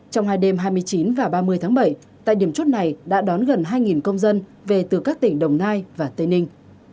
trong hai đêm hai mươi chín và ba mươi tháng bảy tại điểm chốt này đã đón gần hai công dân về từ các tỉnh đồng nai và tây ninh